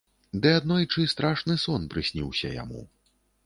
Ды аднойчы страшны сон прысніўся яму.